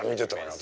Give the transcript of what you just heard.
私。